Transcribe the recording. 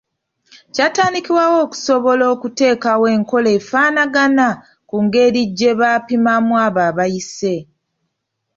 Kyatandikibwawo okusobola okuteekawo enkola efaanagana ku ngeri gye bapimamu abo abayise.